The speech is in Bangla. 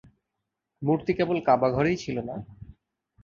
মূর্তি কেবল কাবা ঘরেই ছিল না।